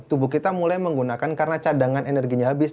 tubuh kita mulai menggunakan karena cadangan energinya habis